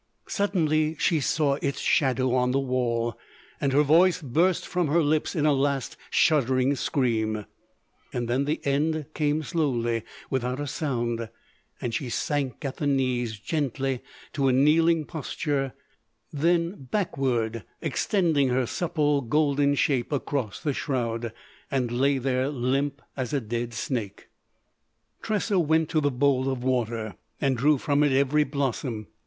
Suddenly she saw its shadow on the wall; and her voice burst from her lips in a last shuddering scream. Then the end came slowly, without a sound, and she sank at the knees, gently, to a kneeling posture, then backward, extending her supple golden shape across the shroud; and lay there limp as a dead snake. Tressa went to the bowl of water and drew from it every blossom.